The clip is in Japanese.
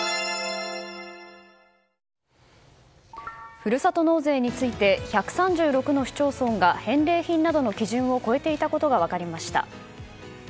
ふるさと納税について１３６の市町村が返礼品などの基準を超えていたことが分かりました。